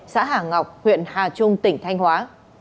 xã hà ngọc huyện hà trung tỉnh thanh hóa